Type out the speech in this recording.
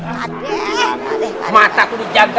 mata tuh dijaga